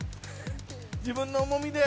自分の重みで。